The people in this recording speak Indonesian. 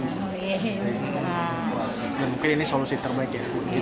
ya mungkin ini solusi terbaik ya untuk kita